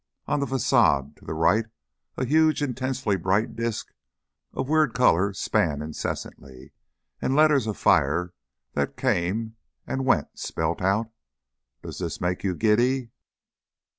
_" On the façade to the right a huge intensely bright disc of weird colour span incessantly, and letters of fire that came and went spelt out "DOES THIS MAKE YOU GIDDY?"